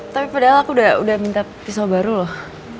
tapi padahal aku udah minta pisau baru loh